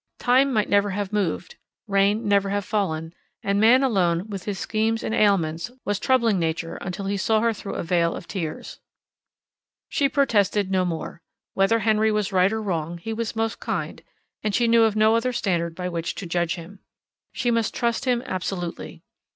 Time might never have moved, rain never have fallen, and man alone, with his schemes and ailments, was troubling Nature until he saw her through a veil of tears. She protested no more. Whether Henry was right or wrong, he was most kind, and she knew of no other standard by which to judge him. She must trust him absolutely.